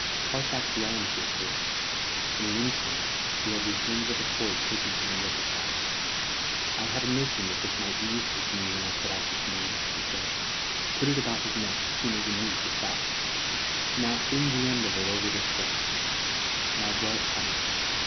Carfax ran to his horse. In an instant he had returned with a cord taken from under his saddle. "I had a notion that this might be useful to me when I set out this morn," he said. "Put it about his neck soon as a noose is fashioned. Now fling the end of it over this branch. Now draw it tight.